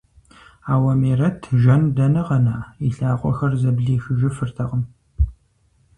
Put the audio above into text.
Ауэ Мерэт, жэн дэнэ къэна, и лъакъуэхэр зэблихыжыфыртэкъым.